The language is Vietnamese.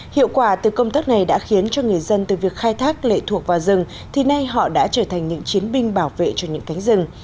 hiệu quả từ công tác này đã khiến cho người dân từ việc khai thác lệ thuộc vào rừng thì nay họ đã trở thành những chiến binh bảo vệ cho những cánh rừng